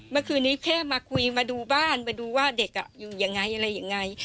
เมื่อคืนนี้แค่มาคุยมาดูบ้านมาดูว่าเด็กอยู่ยังไงอะไรยังไง